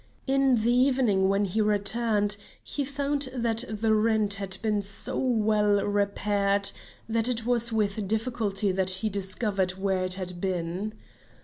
In the evening when he returned he found that the rent had been so well repaired that it was with difficulty that he discovered where it had been.